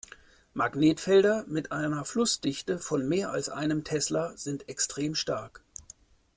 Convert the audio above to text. Magnetfelder mit einer Flussdichte von mehr als einem Tesla sind extrem stark.